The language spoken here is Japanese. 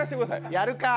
やるか。